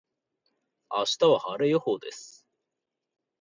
明日は晴れ予報です。